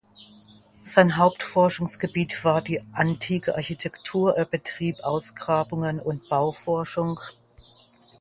Sein Hauptforschungsgebiet war die antike Architektur, er betrieb Ausgrabungen und Bauforschung.